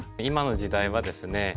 今の時代はですね